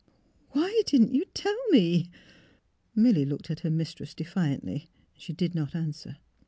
" Why didn't you tell me? " Milly looked at her mistress defiantly. She did not answer.